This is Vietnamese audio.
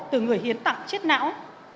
từ người hiến tặng chết não